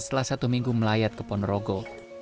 setelah satu minggu melayat ke ponorogo